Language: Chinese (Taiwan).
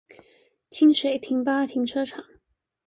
清水停八停車場